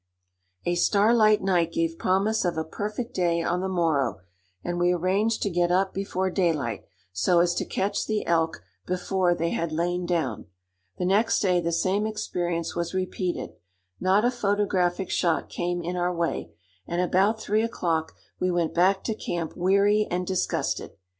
A starlight night gave promise of a perfect day on the morrow, and we arranged to get up before daylight, so as to catch the elk before they had lain down. The next day the same experience was repeated: not a photographic shot came in our way, and about three o'clock we went back to camp weary and disgusted.